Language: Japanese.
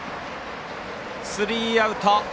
スリーアウト。